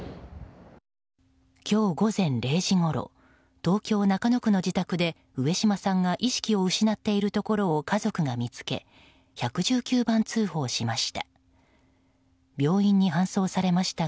今日午前０時ごろ東京・中野区の自宅で上島さんが意識を失っているところを家族が見つけ１１９番通報しました。